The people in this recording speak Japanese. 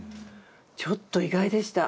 ちょっと意外でした。